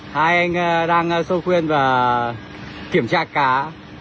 hai anh đang sô khuyên và kiểm tra cá